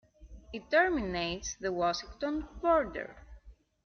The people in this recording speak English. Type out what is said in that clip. It terminates at the Washington border.